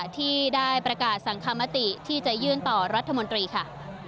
ที่ได้ประกาศสังคมติที่จะยื่นต่อรัฐมนตรีค่ะ